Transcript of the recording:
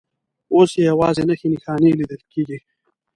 اوس یې یوازې نښې نښانې لیدل کېږي.